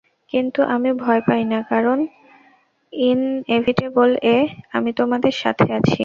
কিন্তু আমি ভয় পাই না, কারণ ইনএভিটেবল-এ আমি তোমাদের সাথে আছি।